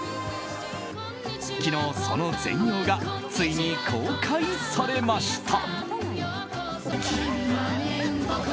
昨日、その全容がついに公開されました。